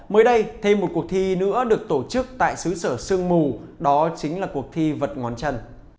mới đây thêm một cuộc thi nữa được tổ chức tại xứ sở sương mù đó chính là cuộc thi vật ngón chân